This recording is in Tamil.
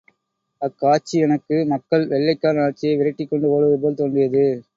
அக்காட்சி எனக்கு மக்கள் வெள்ளைக்காரன் ஆட்சியை விரட்டிக் கொண்டு ஓடுவதுபோல் தோன்றியது.